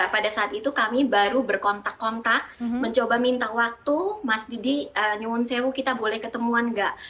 pada saat itu kami baru berkontak kontak mencoba minta waktu mas didi nyungun sewu kita boleh ketemuan nggak